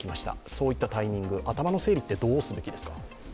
そういったタイミング、頭の整理はどうすべきですか？